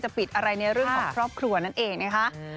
ปิดอะไรในเรื่องของครอบครัวนั่นเองนะคะ